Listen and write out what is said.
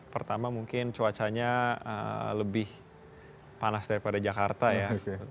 pertama mungkin cuacanya lebih panas daripada jakarta ya